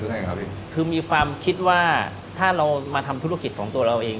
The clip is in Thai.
ไงครับพี่คือมีความคิดว่าถ้าเรามาทำธุรกิจของตัวเราเอง